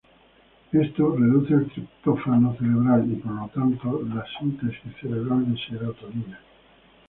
Esto reduce el triptófano cerebral y, por lo tanto, la síntesis cerebral de serotonina.